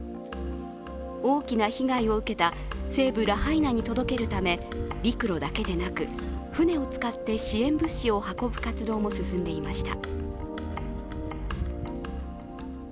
大きな被害を受けた西部ラハイナに届けるため陸路だけでなく船を使って支援物資を運ぶ活動も続いていました。